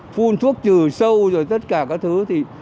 phun thuốc trừ sâu rồi tất cả các thứ